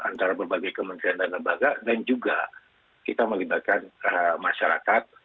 antara berbagai kementerian dan lembaga dan juga kita melibatkan masyarakat